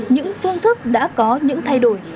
những phương thức đã có những thay đổi